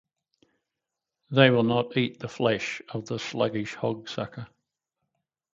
They will not eat the flesh of the sluggish hog-sucker.